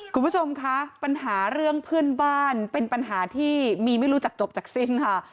คุณผู้ชมคะปัญหาเรื่องเพื่อนบ้านเป็นปัญหาที่มีไม่รู้จักจบจากสิ้นค่ะ